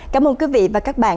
cảm ơn quý vị và các bạn